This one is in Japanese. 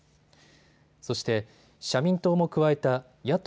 そして社民党も加えた野党